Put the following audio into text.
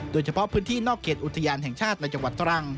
โดยเฉพาะพื้นที่นอกเขตอุทยานแห่งชาติในจังหวัดตรัง